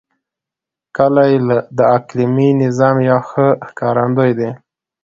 کلي د اقلیمي نظام یو ښه ښکارندوی دی.